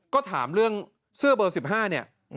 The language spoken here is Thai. ก็ถามเรื่องเสื้อเบอร์๑๕เนี่ย